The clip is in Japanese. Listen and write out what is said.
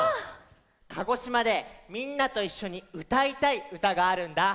鹿児島でみんなといっしょにうたいたいうたがあるんだ。